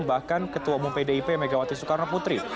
bahkan ketua umum pdip megawati soekarno putri